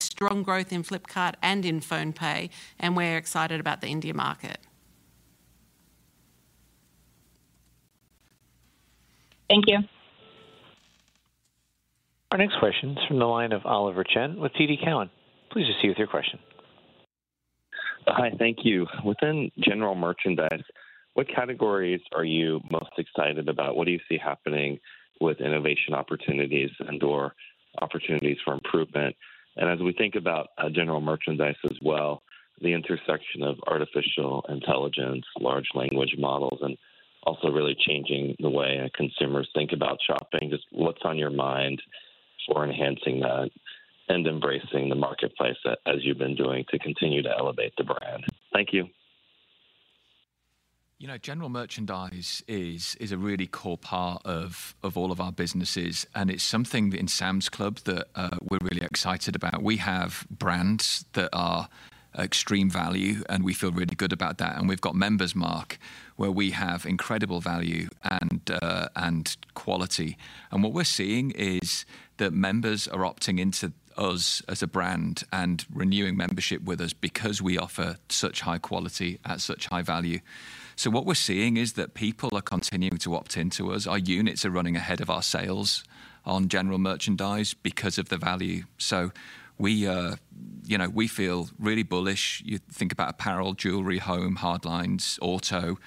Speaker 9: strong growth in Flipkart and in PhonePe, and we're excited about the India market.
Speaker 11: Thank you.
Speaker 1: Our next question is from the line of Oliver Chen with TD Cowen. Please proceed with your question.
Speaker 12: Hi, thank you. Within general merchandise, what categories are you most excited about? What do you see happening with innovation opportunities and/or opportunities for improvement? And as we think about general merchandise as well, the intersection of artificial intelligence, large language models, and also really changing the way our consumers think about shopping, just what's on your mind for enhancing that and embracing the marketplace as you've been doing to continue to elevate the brand? Thank you.
Speaker 10: You know, general merchandise is a really core part of all of our businesses, and it's something in Sam's Club that we're really excited about. We have brands that are extreme value, and we feel really good about that, and we've got Member's Mark....
Speaker 4: where we have incredible value and quality. What we're seeing is that members are opting into us as a brand and renewing membership with us because we offer such high quality at such high value. So what we're seeing is that people are continuing to opt in to us. Our units are running ahead of our sales on general merchandise because of the value. So we, you know, we feel really bullish. You think about apparel, jewelry, home, hard lines, auto,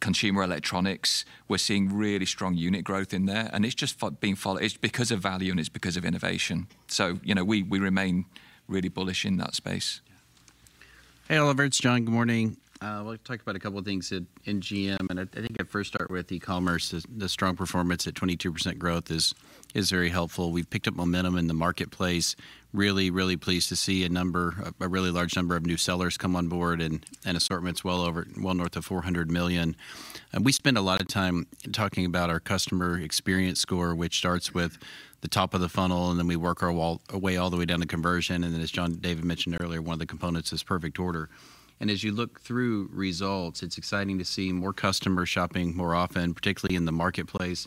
Speaker 4: consumer electronics. We're seeing really strong unit growth in there, and it's just being followed. It's because of value, and it's because of innovation. So, you know, we remain really bullish in that space.
Speaker 6: Hey, Oliver, it's John. Good morning. I'd like to talk about a couple of things in GM, and I think I'd first start with e-commerce. The strong performance at 22% growth is very helpful. We've picked up momentum in the marketplace. Really pleased to see a really large number of new sellers come on board and assortments well north of 400 million. And we spend a lot of time talking about our customer experience score, which starts with the top of the funnel, and then we work our way all the way down to conversion, and then, as John David mentioned earlier, one of the components is perfect order. And as you look through results, it's exciting to see more customers shopping more often, particularly in the marketplace.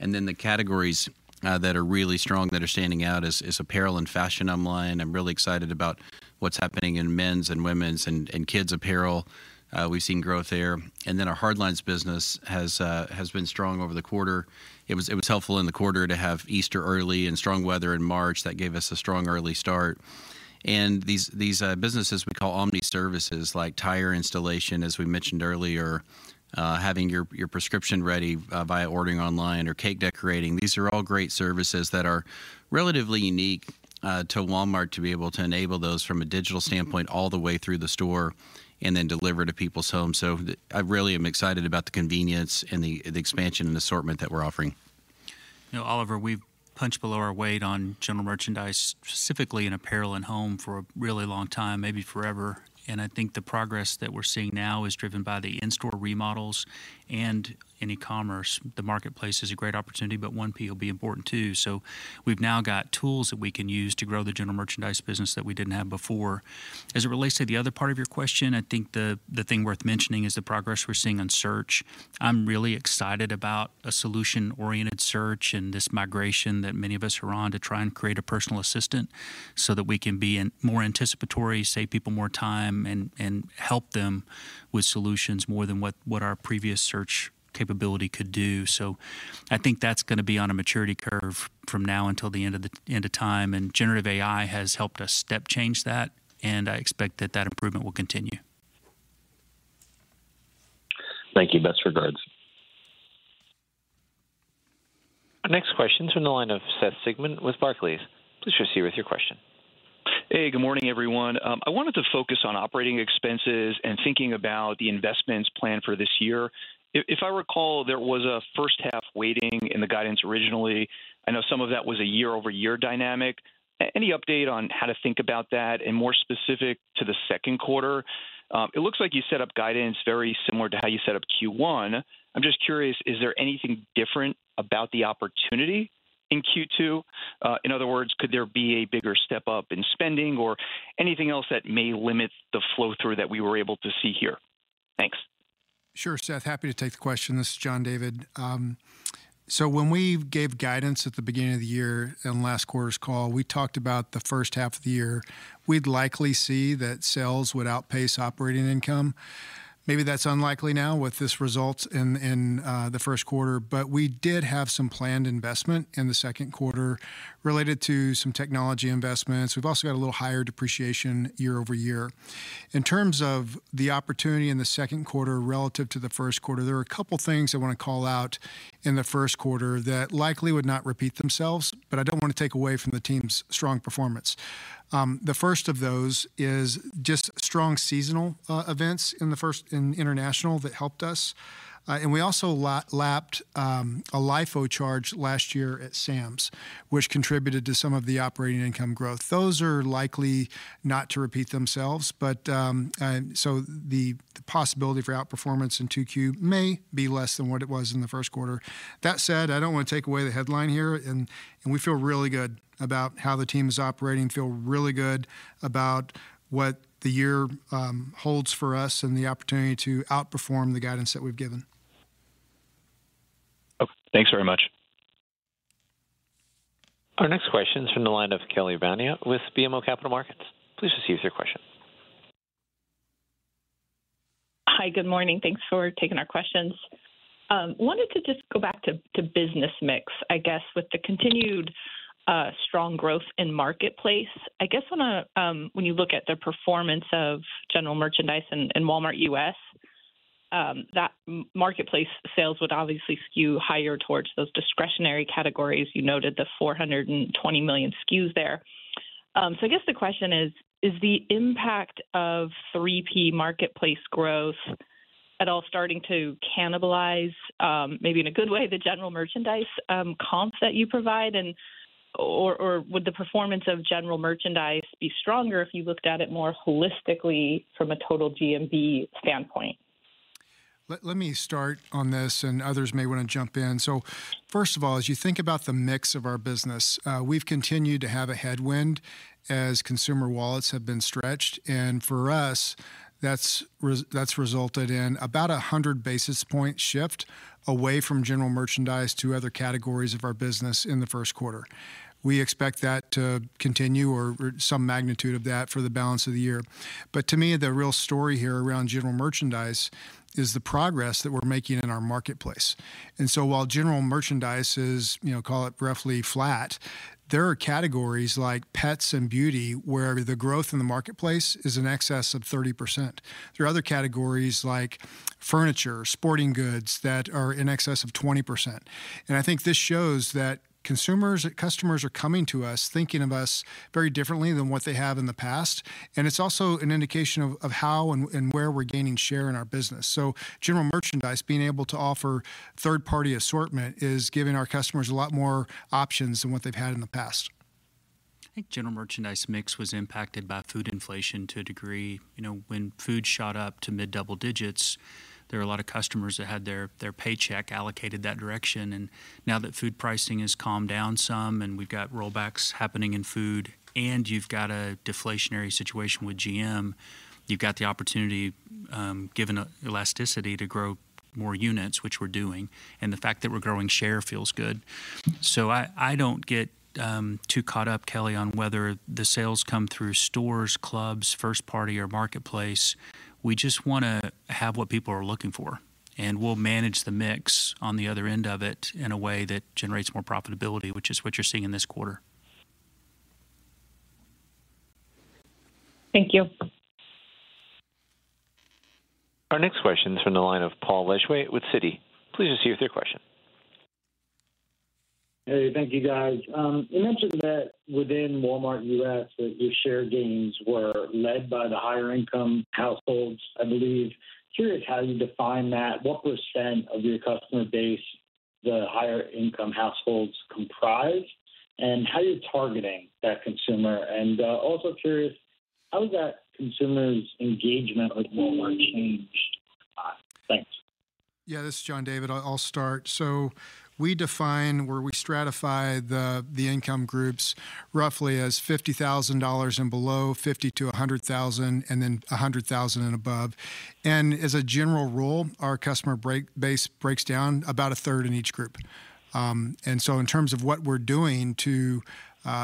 Speaker 6: And then the categories that are really strong, that are standing out, is apparel and fashion online. I'm really excited about what's happening in men's and women's and kids' apparel. We've seen growth there. And then our hard lines business has been strong over the quarter. It was helpful in the quarter to have Easter early and strong weather in March. That gave us a strong early start. And these businesses we call omni services, like tire installation, as we mentioned earlier, having your prescription ready by ordering online or cake decorating. These are all great services that are relatively unique to Walmart, to be able to enable those from a digital standpoint all the way through the store and then deliver to people's homes. So the... I really am excited about the convenience and the expansion and assortment that we're offering.
Speaker 3: You know, Oliver, we've punched below our weight on general merchandise, specifically in apparel and home, for a really long time, maybe forever. And I think the progress that we're seeing now is driven by the in-store remodels and in e-commerce. The marketplace is a great opportunity, but 1P will be important, too. So we've now got tools that we can use to grow the general merchandise business that we didn't have before. As it relates to the other part of your question, I think the thing worth mentioning is the progress we're seeing on search. I'm really excited about a solution-oriented search and this migration that many of us are on to try and create a personal assistant so that we can be in more anticipatory, save people more time and help them with solutions more than what our previous search capability could do. So I think that's gonna be on a maturity curve from now until the end of time, and generative AI has helped us step change that, and I expect that that improvement will continue.
Speaker 6: Thank you. Best regards.
Speaker 1: Next question's from the line of Seth Sigman with Barclays. Please proceed with your question.
Speaker 13: Hey, good morning, everyone. I wanted to focus on operating expenses and thinking about the investments planned for this year. If, if I recall, there was a first half weighting in the guidance originally. I know some of that was a year-over-year dynamic. Any update on how to think about that? And more specific to the second quarter, it looks like you set up guidance very similar to how you set up Q1. I'm just curious, is there anything different about the opportunity in Q2? In other words, could there be a bigger step up in spending or anything else that may limit the flow-through that we were able to see here? Thanks.
Speaker 4: Sure, Seth, happy to take the question. This is John David. So when we gave guidance at the beginning of the year on last quarter's call, we talked about the first half of the year. We'd likely see that sales would outpace operating income. Maybe that's unlikely now with these results in the first quarter, but we did have some planned investment in the second quarter related to some technology investments. We've also got a little higher depreciation year-over-year. In terms of the opportunity in the second quarter relative to the first quarter, there are a couple things I want to call out in the first quarter that likely would not repeat themselves, but I don't want to take away from the team's strong performance. The first of those is just strong seasonal events in international that helped us. And we also lapped a LIFO charge last year at Sam's, which contributed to some of the operating income growth. Those are likely not to repeat themselves, but and so the possibility for outperformance in 2Q may be less than what it was in the first quarter. That said, I don't want to take away the headline here, and we feel really good about how the team is operating, feel really good about what the year holds for us and the opportunity to outperform the guidance that we've given.
Speaker 13: Okay. Thanks very much.
Speaker 1: Our next question is from the line of Kelly Bania with BMO Capital Markets. Please proceed with your question.
Speaker 6: Hi, good morning. Thanks for taking our questions. Wanted to just go back to business mix. I guess, with the continued strong growth in Marketplace, I guess on a, when you look at the performance of general merchandise in Walmart U.S., that Marketplace sales would obviously skew higher towards those discretionary categories. You noted the 420 million SKUs there. So I guess the question is: Is the impact of 3P Marketplace growth at all starting to cannibalize, maybe in a good way, the general merchandise comps that you provide, and, or, or would the performance of general merchandise be stronger if you looked at it more holistically from a total GMV standpoint?
Speaker 4: ...Let me start on this, and others may want to jump in. So first of all, as you think about the mix of our business, we've continued to have a headwind as consumer wallets have been stretched, and for us, that's resulted in about a 100 basis point shift away from general merchandise to other categories of our business in the first quarter. We expect that to continue or some magnitude of that for the balance of the year. But to me, the real story here around general merchandise is the progress that we're making in our marketplace. And so while general merchandise is, you know, call it roughly flat, there are categories like pets and beauty, where the growth in the marketplace is in excess of 30%. There are other categories like furniture, sporting goods, that are in excess of 20%. And I think this shows that consumers, customers are coming to us, thinking of us very differently than what they have in the past. And it's also an indication of how and where we're gaining share in our business. So general merchandise, being able to offer third-party assortment, is giving our customers a lot more options than what they've had in the past.
Speaker 6: I think general merchandise mix was impacted by food inflation to a degree. You know, when food shot up to mid-double digits, there were a lot of customers that had their paycheck allocated that direction, and now that food pricing has calmed down some, and we've got rollbacks happening in food, and you've got a deflationary situation with GM, you've got the opportunity, given a elasticity, to grow more units, which we're doing, and the fact that we're growing share feels good. So I don't get too caught up, Kelly, on whether the sales come through stores, clubs, first party or marketplace. We just wanna have what people are looking for, and we'll manage the mix on the other end of it in a way that generates more profitability, which is what you're seeing in this quarter.
Speaker 11: Thank you.
Speaker 1: Our next question is from the line of Paul Lejuez with Citi. Please proceed with your question.
Speaker 14: Hey, thank you, guys. You mentioned that within Walmart U.S., that your share gains were led by the higher income households, I believe. Curious how you define that? What percent of your customer base, the higher income households comprise, and how are you targeting that consumer? Also curious, how has that consumer's engagement with Walmart changed? Thanks.
Speaker 4: Yeah, this is John David. I'll start. So we define where we stratify the income groups, roughly as $50,000 and below, $50,000-$100,000, and then $100,000 and above. And as a general rule, our customer base breaks down about a third in each group. And so in terms of what we're doing to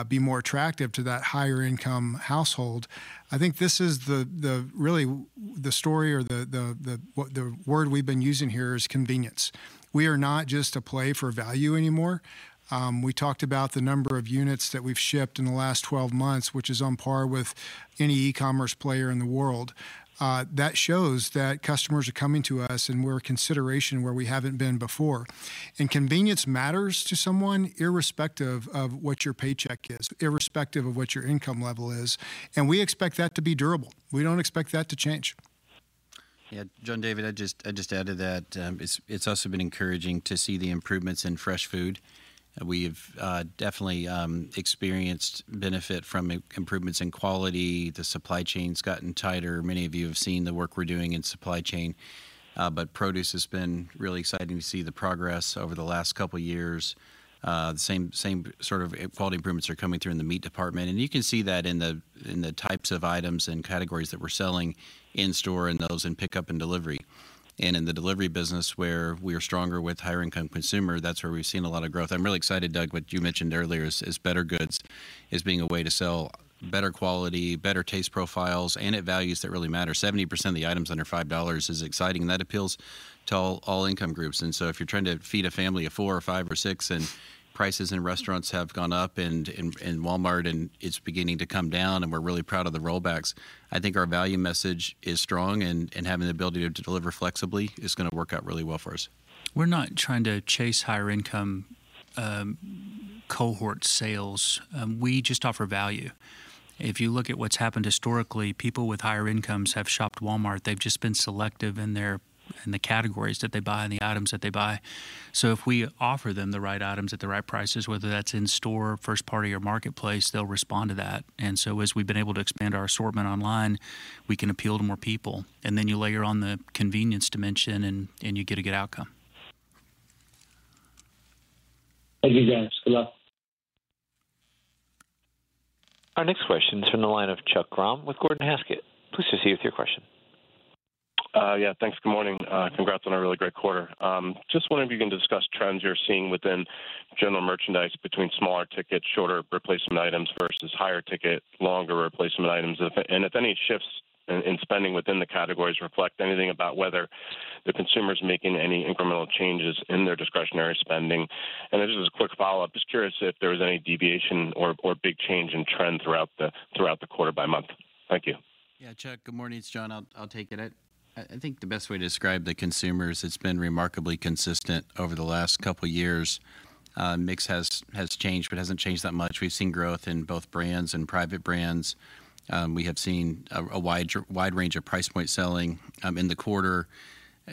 Speaker 4: be more attractive to that higher income household, I think this is the really the story or the what the word we've been using here is convenience. We are not just a play for value anymore. We talked about the number of units that we've shipped in the last 12 months, which is on par with any e-commerce player in the world. That shows that customers are coming to us, and we're a consideration where we haven't been before. Convenience matters to someone, irrespective of what your paycheck is, irrespective of what your income level is, and we expect that to be durable. We don't expect that to change.
Speaker 6: Yeah, John David, I'd just add to that, it's also been encouraging to see the improvements in fresh food. We've definitely experienced benefit from improvements in quality. The supply chain's gotten tighter. Many of you have seen the work we're doing in supply chain, but produce has been really exciting to see the progress over the last couple of years. The same sort of quality improvements are coming through in the meat department. And you can see that in the types of items and categories that we're selling in store and those in pickup and delivery. And in the delivery business, where we are stronger with higher income consumer, that's where we've seen a lot of growth. I'm really excited, Doug, what you mentioned earlier is Better Goods is being a way to sell better quality, better taste profiles, and at values that really matter. 70% of the items under $5 is exciting, and that appeals to all income groups. So if you're trying to feed a family of four or five or six, and prices in restaurants have gone up, and Walmart, and it's beginning to come down, and we're really proud of the rollbacks. I think our value message is strong, and having the ability to deliver flexibly is gonna work out really well for us.
Speaker 3: We're not trying to chase higher income cohort sales. We just offer value. If you look at what's happened historically, people with higher incomes have shopped Walmart. They've just been selective in the categories that they buy and the items that they buy. So if we offer them the right items at the right prices, whether that's in store, first party or marketplace, they'll respond to that. And so as we've been able to expand our assortment online, we can appeal to more people. And then you layer on the convenience dimension, and you get a good outcome.
Speaker 14: Thank you, guys. Good luck.
Speaker 1: Our next question is from the line of Chuck Grom with Gordon Haskett. Please proceed with your question.
Speaker 15: Yeah, thanks. Good morning. Congrats on a really great quarter. Just wondering if you can discuss trends you're seeing within general merchandise between smaller tickets, shorter replacement items versus higher ticket, longer replacement items. And if any shifts in spending within the categories reflect anything about whether the consumer's making any incremental changes in their discretionary spending. And then just a quick follow-up. Just curious if there was any deviation or big change in trend throughout the quarter by month. Thank you.
Speaker 6: Yeah, Chuck, good morning. It's John. I'll take it. I think the best way to describe the consumer is it's been remarkably consistent over the last couple years. Mix has changed, but hasn't changed that much. We've seen growth in both brands and private brands. We have seen a wide range of price point selling in the quarter.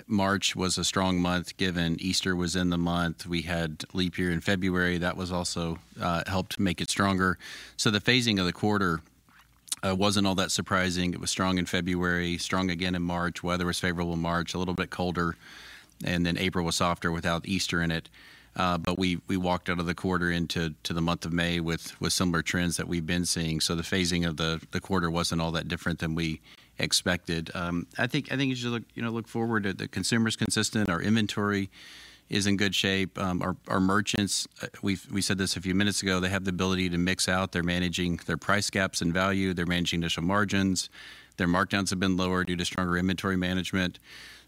Speaker 6: March was a strong month, given Easter was in the month. We had leap year in February. That was also helped make it stronger. So the phasing of the quarter wasn't all that surprising. It was strong in February, strong again in March. Weather was favorable in March, a little bit colder, and then April was softer without Easter in it. But we walked out of the quarter into the month of May with similar trends that we've been seeing. So the phasing of the quarter wasn't all that different than we expected. I think as you look, you know, look forward, the consumer's consistent, our inventory is in good shape. Our merchants, we said this a few minutes ago, they have the ability to mix out. They're managing their price gaps and value. They're managing initial margins. Their markdowns have been lower due to stronger inventory management.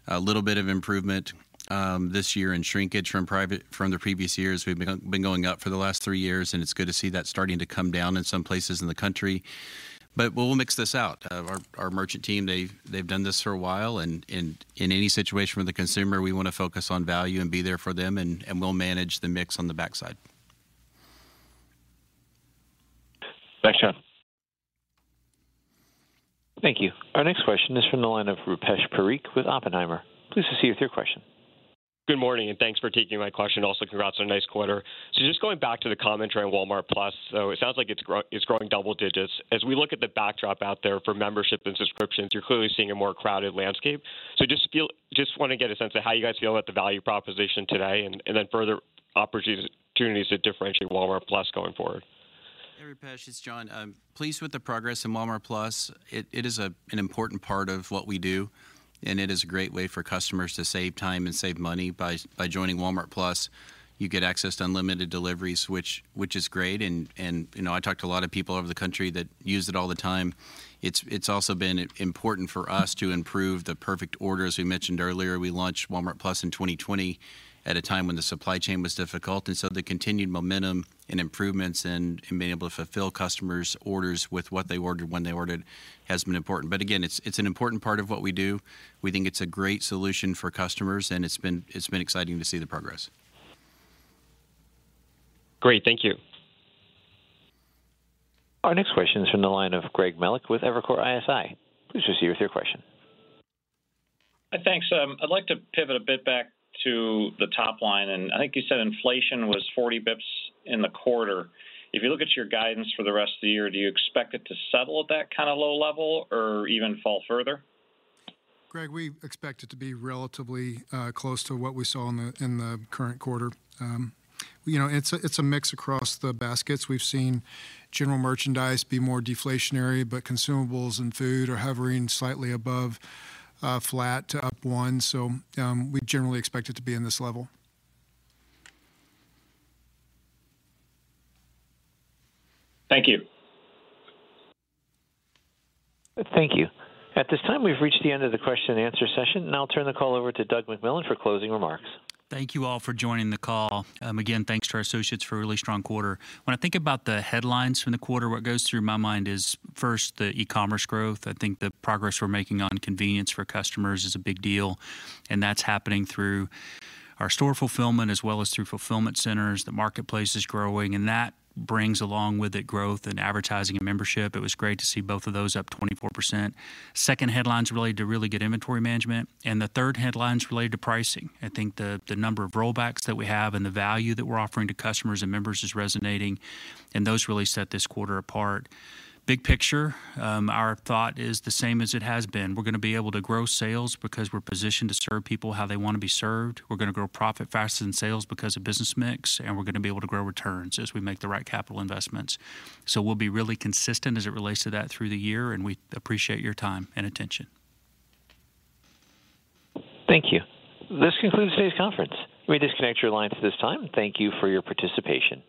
Speaker 6: A little bit of improvement this year in shrinkage from the previous years. We've been going up for the last three years, and it's good to see that starting to come down in some places in the country. But we'll mix this out. Our merchant team, they've done this for a while, and in any situation with the consumer, we want to focus on value and be there for them, and we'll manage the mix on the backside.
Speaker 16: Thanks, John.
Speaker 1: Thank you. Our next question is from the line of Rupesh Parikh with Oppenheimer. Please proceed with your question.
Speaker 17: Good morning, and thanks for taking my question. Also, congrats on a nice quarter. So just going back to the commentary on Walmart+, so it sounds like it's growing double digits. As we look at the backdrop out there for membership and subscriptions, you're clearly seeing a more crowded landscape. So just want to get a sense of how you guys feel about the value proposition today, and then further opportunities to differentiate Walmart+ going forward.
Speaker 6: Hey, Rupesh, it's John. I'm pleased with the progress in Walmart+. It is an important part of what we do, and it is a great way for customers to save time and save money. By joining Walmart+, you get access to unlimited deliveries, which is great, and you know, I talk to a lot of people all over the country that use it all the time. It's also been important for us to improve the perfect order. As we mentioned earlier, we launched Walmart+ in 2020, at a time when the supply chain was difficult, and so the continued momentum and improvements and being able to fulfill customers' orders with what they ordered, when they ordered, has been important. But again, it's an important part of what we do. We think it's a great solution for customers, and it's been, it's been exciting to see the progress.
Speaker 17: Great. Thank you.
Speaker 1: Our next question is from the line of Greg Melich with Evercore ISI. Please proceed with your question.
Speaker 18: Thanks. I'd like to pivot a bit back to the top line, and I think you said inflation was 40 basis points in the quarter. If you look at your guidance for the rest of the year, do you expect it to settle at that kind of low level or even fall further?
Speaker 4: Greg, we expect it to be relatively close to what we saw in the, in the current quarter. You know, it's a, it's a mix across the baskets. We've seen general merchandise be more deflationary, but consumables and food are hovering slightly above flat to up one. So, we generally expect it to be in this level.
Speaker 18: Thank you.
Speaker 1: Thank you. At this time, we've reached the end of the question and answer session, and I'll turn the call over to Doug McMillon for closing remarks.
Speaker 6: Thank you all for joining the call. Again, thanks to our associates for a really strong quarter. When I think about the headlines from the quarter, what goes through my mind is, first, the e-commerce growth. I think the progress we're making on convenience for customers is a big deal, and that's happening through our store fulfillment as well as through fulfillment centers. The marketplace is growing, and that brings along with it growth in advertising and membership. It was great to see both of those up 24%. Second headline's related to really good inventory management, and the third headline's related to pricing. I think the number of rollbacks that we have and the value that we're offering to customers and members is resonating, and those really set this quarter apart. Big picture, our thought is the same as it has been. We're gonna be able to grow sales because we're positioned to serve people how they want to be served. We're gonna grow profit faster than sales because of business mix, and we're gonna be able to grow returns as we make the right capital investments. So we'll be really consistent as it relates to that through the year, and we appreciate your time and attention.
Speaker 1: Thank you. This concludes today's conference. You may disconnect your lines at this time. Thank you for your participation.